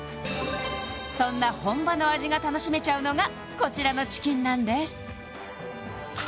そんな本場の味が楽しめちゃうのがこちらのチキンなんです